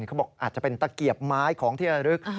เขาบอกอาจจะเป็นตะเกียบไม้ของที่ระลึก